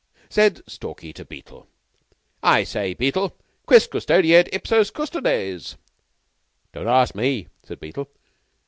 Said Stalky to Beetle: "I say, Beetle, quis custodet ipsos custodes?" "Don't ask me," said Beetle.